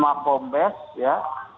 akp ada kumpol ya